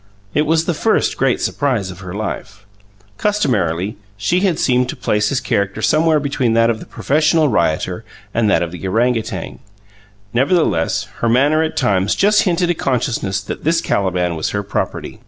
It was the first great surprise of her life. Customarily, she had seemed to place his character somewhere between that of the professional rioter and that of the orang outang; nevertheless, her manner at times just hinted a consciousness that this Caliban was her property.